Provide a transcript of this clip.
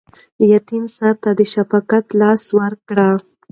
د یتیم سر ته د شفقت لاس ورکړئ.